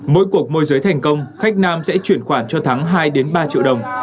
mỗi cuộc mua dưới thành công khách nam sẽ chuyển khoản cho thắng hai ba triệu đồng